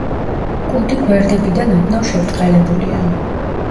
კუდი გვერდებიდან ოდნავ შებრტყელებულია.